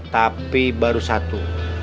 tapi baru satu